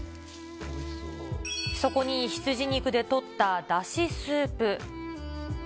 そこに羊肉で取っただしスープ。